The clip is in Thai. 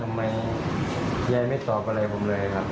เหมือนแจ๊กกลัวผมนะครับ